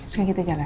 sekarang kita jalan